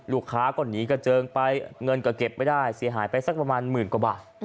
ลูกค้าก็หนีกระเจิงไปเงินก็เก็บไม่ได้เสียหายไปสักประมาณหมื่นกว่าบาท